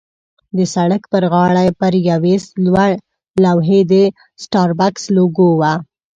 د سړک پر غاړه پر یوې لوحې د سټاربکس لوګو وه.